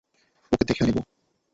ওকেও দেখে নেবো।